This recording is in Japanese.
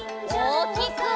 おおきく！